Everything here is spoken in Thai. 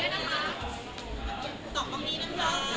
คิดเหมือนกันเลยว่า